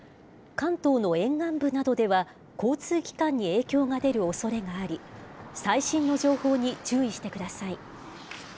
関東の沿岸部などでは、交通機関に影響が出るおそれがあり、最新の情報に注意してください。